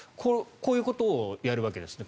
こういうことをやるわけですね。